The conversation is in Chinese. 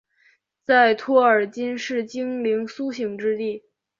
在托尔金是精灵苏醒之地。